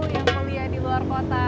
yang kuliah di luar kota